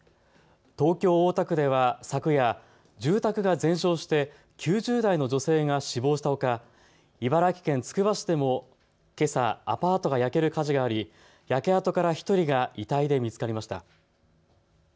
東京大田区では昨夜、住宅が全焼して９０代の女性が死亡したほか、茨城県つくば市でもけさアパートが焼ける火事があり焼け跡から１人が遺体で見つかりました。